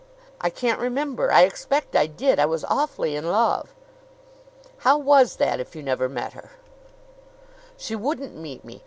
"I can't remember. I expect I did. I was awfully in love." "How was that if you never met her?" "She wouldn't meet me.